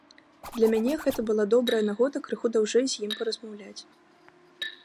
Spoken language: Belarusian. Для мяне гэта была добрая нагода крыху даўжэй з ім паразмаўляць.